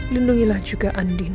lindungilah juga andin istrinya